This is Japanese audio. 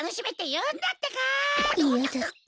いやだった？